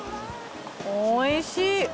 おいしい。